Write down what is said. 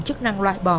chức năng loại bỏ